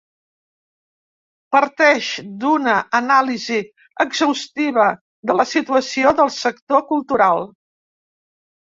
Parteix d’una anàlisi exhaustiva de la situació del sector cultural.